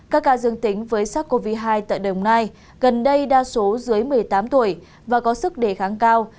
các ca dương tính với sars cov hai tại đồng nai gần đây đa số dưới một mươi tám tuổi và có sức đề kháng cao